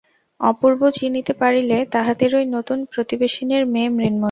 অপূর্ব চিনিতে পারিল তাহাদেরই নূতন প্রতিবেশিনীর মেয়ে মৃন্ময়ী।